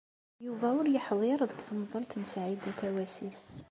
Yuba ur yeḥdiṛ deg temḍelt n Saɛida Tawasift.